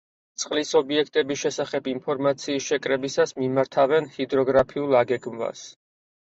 წყლის ობიექტების შესახებ ინფორმაციის შეკრებისას მიმართავენ ჰიდროგრაფიულ აგეგმვას.